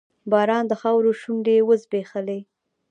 باران د خاورو شونډې وځبیښلې